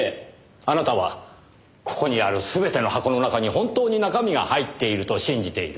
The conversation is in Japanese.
あなたはここにある全ての箱の中に本当に中身が入っていると信じている。